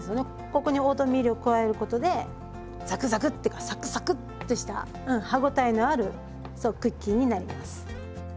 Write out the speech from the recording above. ここにオートミールを加えることでザクザクッてかサクサクッてしたうん歯応えのあるそうクッキーになります。